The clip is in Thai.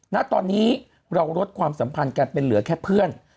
ณตอนนี้เราลดความสัมพันธ์กันเป็นเหลือแค่เพื่อน